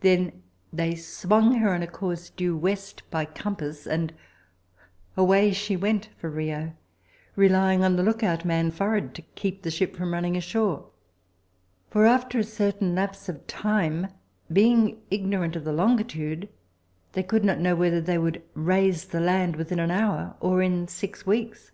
Then they swung her on a course due west by compass, and away she went for Rio, relying on the lookout man forward to keep the ship from running ashore. For after a certain lapse of time, being ignorant of the longitude, they could not know whether they would "raise" the land within an hour or in six weeks.